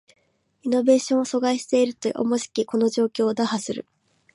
イノベーションを阻害していると思しきこの状況を打破する